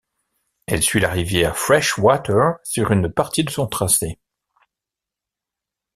Elle suit la rivière Freshwater sur une partie de son tracé.